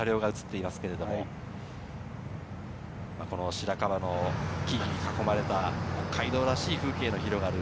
白樺の木々に囲まれた北海道らしい風景の広がる